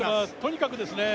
とにかくですね